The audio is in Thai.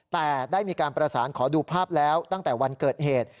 แต่ได้มีการประสานขอดูภาพแล้วตั้งแต่วันเกิดเหตุ